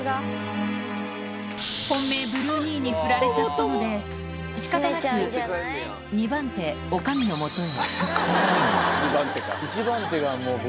本命、ブルー兄にふられちゃったので、しかたなく２番手、おかみのもとへ。